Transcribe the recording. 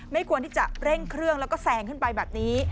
ควรที่จะเร่งเครื่องแล้วก็แซงขึ้นไปแบบนี้